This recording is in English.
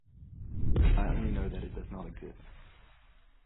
I only know that it does not exist.